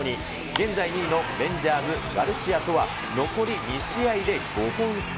現在２位のレンジャーズ、ガルシアとは残り２試合で５本差。